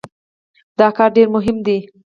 دا کار ډېر مهم دی.